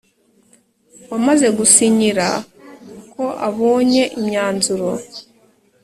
wamaze gusinyira ko abonye imyanzuro